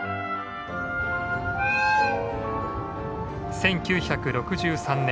１９６３年